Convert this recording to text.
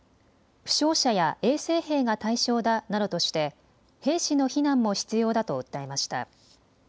負傷者や衛生兵が対象だなどとして兵士の避難も必要だと訴えました。